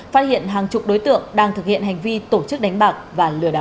phát hiện hàng chục đối tượng đang thực hiện hành vi tổ chức đánh bạc và lừa đảo